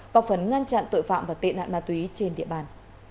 có phấn ngăn chặn tội phạm và tệ nạn ma túy trên địa bàn